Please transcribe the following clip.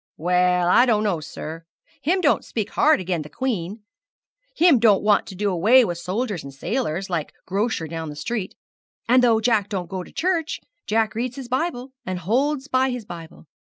'Well, I don't know, sir. Him don't speak hard agen the Queen; him don't want to do away with soldiers and sailors, like grocer down street; and though Jack don't go to church, Jack reads his Bible, and holds by his Bible.